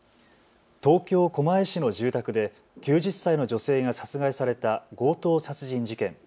東京狛江市の住宅で９０歳の女性が殺害された強盗殺人事件。